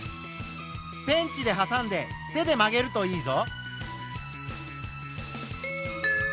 ペンチではさんで手で曲げるといいぞ。